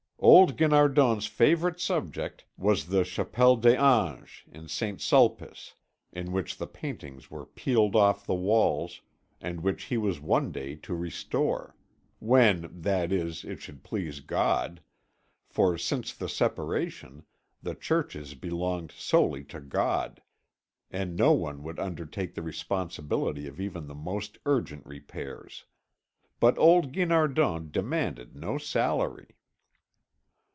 Old Guinardon's favourite subject was the Chapelle des Anges in St. Sulpice, in which the paintings were peeling off the walls, and which he was one day to restore; when, that is, it should please God, for, since the Separation, the churches belonged solely to God, and no one would undertake the responsibility of even the most urgent repairs. But old Guinardon demanded no salary.